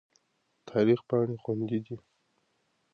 تاریخ پاڼې خوندي دي.